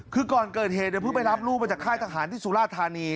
คือก่อนเกิดเหตุเพิ่งไปรับลูกมาจากค่ายทหารที่สุราธานี